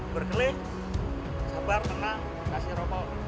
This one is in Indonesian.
berkeling sabar tenang kasih rokok